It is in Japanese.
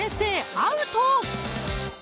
アウト！